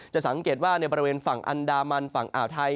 สังเกตว่าในบริเวณฝั่งอันดามันฝั่งอ่าวไทย